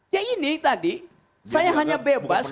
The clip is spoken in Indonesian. ya ini tadi saya hanya bebas